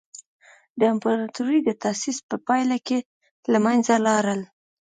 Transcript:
د امپراتورۍ د تاسیس په پایله کې له منځه لاړل.